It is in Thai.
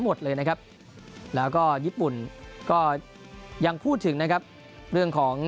หมดเลยนะครับแล้วก็ญี่ปุ่นก็ยังพูดถึงนะครับเรื่องของ